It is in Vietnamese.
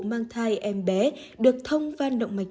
mang thai em bé được thông van động mạch